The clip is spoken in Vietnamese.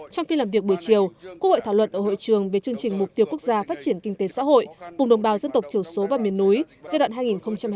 trong phiên làm việc buổi chiều quốc hội thảo luận ở hội trường về chương trình mục tiêu quốc gia phát triển kinh tế xã hội vùng đồng bào dân tộc thiểu số và miền núi giai đoạn hai nghìn hai mươi một hai nghìn ba mươi